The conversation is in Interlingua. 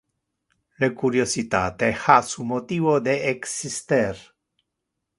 Le curiositate ha su motivo de exister.